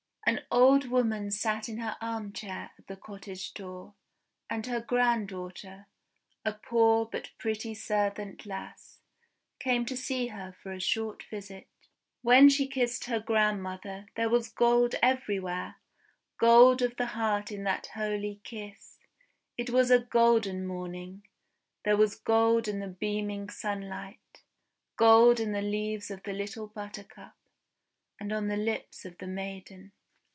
:'An old woman sat in her arm chair at the cottage door, and her granddaughter, a poor but pretty servant lass, came to see her for a short visit. "When she kissed her grandmother, there was gold everywhere !— gold of the heart in that holy kiss; it was a golden morning; there was gold in the beaming sunlight; gold in the leaves of the little Buttercup, and on the lips of the maiden.